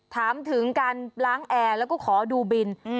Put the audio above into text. ถามถึงการล้างแอร์แล้วก็ขอดูบิน